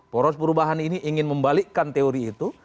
poros perubahan ini ingin membalikkan teori itu